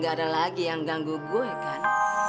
gak ada lagi yang ganggu gue kan